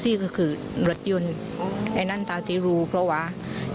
ทุกคนดูมารสยนต์